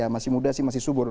masih muda sih masih subur